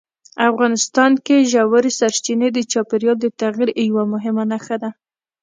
افغانستان کې ژورې سرچینې د چاپېریال د تغیر یوه مهمه نښه ده.